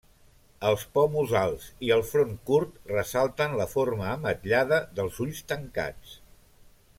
Els pòmuls alts i el front curt ressalten la forma ametllada dels ulls tancats.